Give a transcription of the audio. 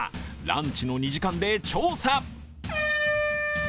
ランチの２時間で調査。